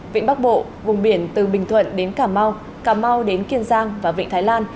vịnh bắc bộ vùng biển từ bình thuận đến cà mau cà mau đến kiên giang và vịnh thái lan